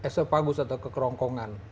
ke esophagus atau ke kerongkongan